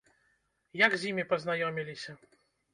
Як з імі пазнаёміліся?